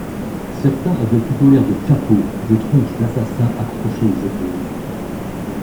certains avaient plutôt l’air de kapos, des tronches d’assassins accrochées aux épaules.